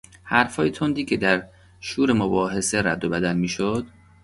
حرفهای تندی که در شور مباحثه رد و بدل میشود